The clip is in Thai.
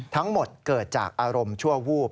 ทั้งหมดเกิดจากอารมณ์ชั่ววูบ